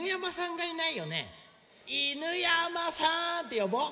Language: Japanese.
「犬山さん！」ってよぼう！